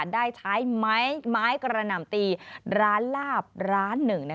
ได้ใช้ไม้กระหน่ำตีร้านลาบร้านหนึ่ง